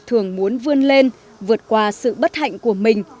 thường muốn vươn lên vượt qua sự bất hạnh của mình